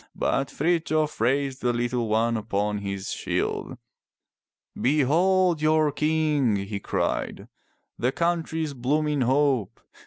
But Frithjof raised the little one upon his shield. "Behold your King!" he cried, "the country's blooming hope!